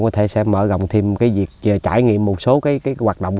thế sẽ mở rộng thêm việc trải nghiệm một số hoạt động